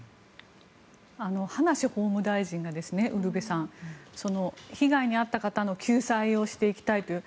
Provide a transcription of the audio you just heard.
葉梨法務大臣がウルヴェさん被害に遭った方の救済をしていきたいという。